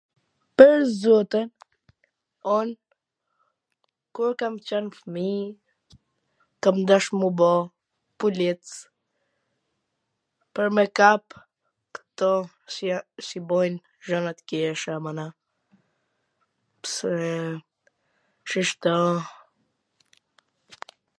Pwr zotin, un kur kam qen fmij kam dash m u bo polic, pwr me kap kto q bwjn gjana t keqa mana, pse shishto.